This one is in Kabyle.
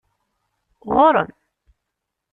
Ɣur-m!